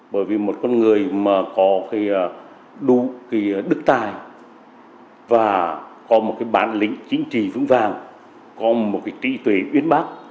bởi vì một con người có đức tài và có một bản lĩnh chính trị vững vàng có một trí tuệ uyến bác